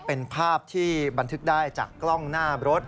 เป็นภาพที่บันทึกได้จากกล้องหน้ารถ